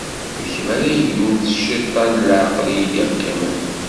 d kemm ara yeglun s ciṭ-a n leɛqel i d-yeqqimen.